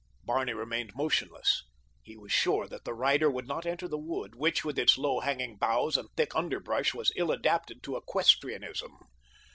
Barney remained motionless. He was sure that the rider would not enter the wood which, with its low hanging boughs and thick underbrush, was ill adapted to equestrianism.